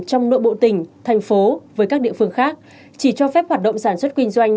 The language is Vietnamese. trong nội bộ tỉnh thành phố với các địa phương khác chỉ cho phép hoạt động sản xuất kinh doanh